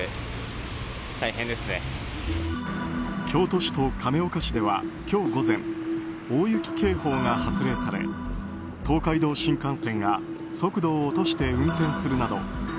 京都市と亀岡市では今日午前大雪警報が発令され東海道新幹線が速度を落として運転するなど